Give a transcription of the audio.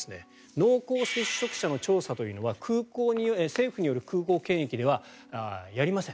濃厚接触者の調査というのは政府による空港検疫ではやりません。